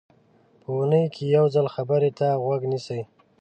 په اوونۍ کې یو ځل خبرو ته غوږ نیسي.